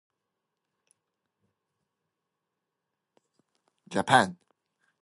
Senator from Maine, and of diplomat Chandler Hale.